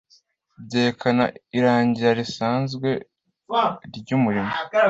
byerekana irangira risanzwe ry umurimo